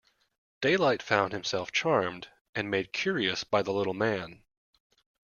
Daylight found himself charmed and made curious by the little man.